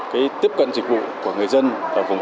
cái tiếp cận dịch vụ của người dân